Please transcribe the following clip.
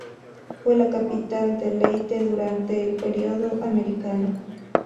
Fue la capital de Leyte durante el periodo americano.